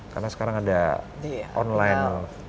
karena sekarang ada online